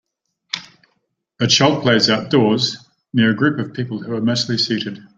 A child plays outdoors, near a group of people who are mostly seated.